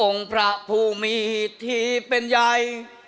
องค์พระภูมิที่เป็นใย